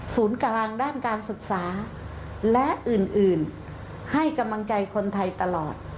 ศูนย์กลางด้านการศึกษาและอื่นให้กำลังใจคนไทยตลอด